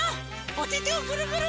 おててをぐるぐる！